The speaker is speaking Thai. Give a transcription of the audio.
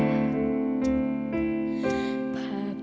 ภาพที่เธอสร้าง